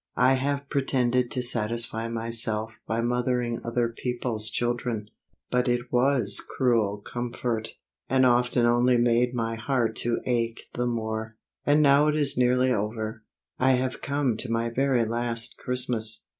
I have pretended to satisfy myself by mothering other people's children; but it was cruel comfort, and often only made my heart to ache the more. And now it is nearly over; I have come to my very last Christmas.